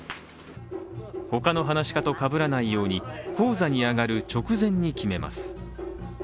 他の噺家とかぶらないように高座に上がる直前に決めます。